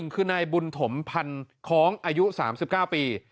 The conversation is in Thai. คือนายบุญถมพันคล้องอายุ๓๙ปี